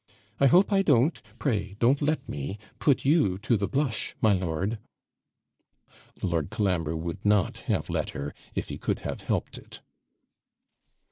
I hope I don't (pray don't let me) put you to the blush, my lord.' Lord Colambre would not have let her, if he could have helped it.